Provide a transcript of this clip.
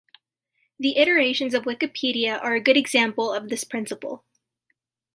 The iterations of Wikipedia are a good example of this principle.